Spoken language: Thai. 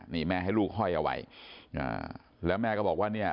นี่แม่ให้ลูกห้อยเอาไว้แล้วแม่ก็บอกว่าเนี่ย